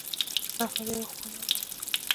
احمد یوه خونه اولاد لري.